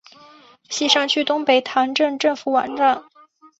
锡山区东北塘镇政府网站